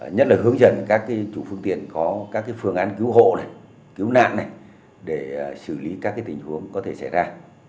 nhất là hướng dẫn các chủ phương tiện có các phương án cứu hộ cứu nạn này để xử lý các tình huống có thể xảy ra